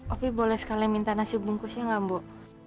opi boleh sekali minta nasi bungkus ya nggak mbok